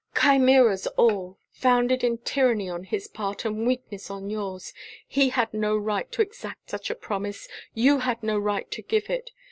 'Chimeras all; founded in tyranny on his part, and weakness on yours. He had no right to exact such a promise; you had no right to give it.